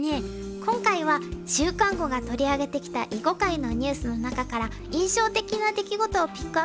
今回は「週刊碁」が取り上げてきた囲碁界のニュースの中から印象的な出来事をピックアップしました。